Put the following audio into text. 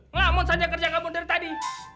ngamut saja kerja kamu dari tadi